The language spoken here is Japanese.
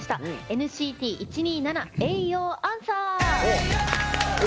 「ＮＣＴ１２７Ａｙ‐Ｙｏアンサー」。